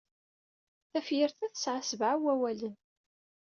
Tafyirt-a tesɛa sebɛa wawalen.